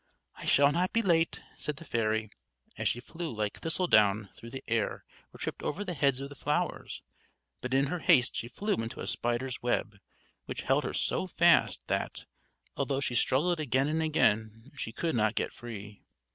"I shall not be late," said the fairy, as she flew like thistle down through the air or tripped over the heads of the flowers; but in her haste she flew into a spider's web, which held her so fast that, although she struggled again and again, she could not get free.